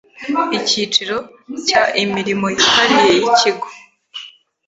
Icyiciro cya Imirimo yihariye y ikigo